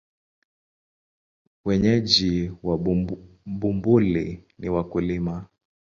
Wenyeji wa Bumbuli ni wakulima.